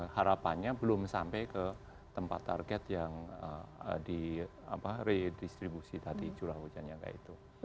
harapannya belum sampai ke tempat target yang di redistribusi tadi curah hujannya kayak itu